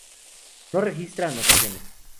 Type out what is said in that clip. No registra anotaciones.